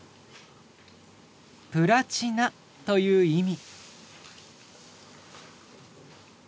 プラチナという意味。